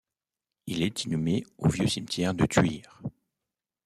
Il est inhumé au Vieux Cimetière de Thuir.